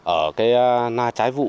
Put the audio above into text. ở cái na trái vụ